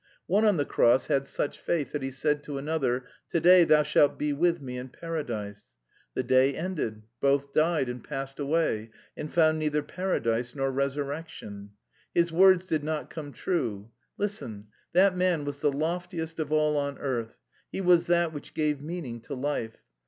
One on the Cross had such faith that he said to another, 'To day thou shalt be with me in Paradise.' The day ended; both died and passed away and found neither Paradise nor resurrection. His words did not come true. Listen: that Man was the loftiest of all on earth, He was that which gave meaning to life.